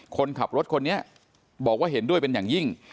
คนขับรถคนนี้บอกว่าเห็นด้วยเป็นอย่างยิ่ง